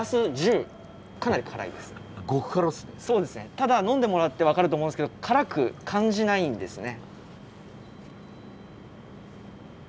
ただ呑んでもらって分かると思うんですけど辛く感じないんですね。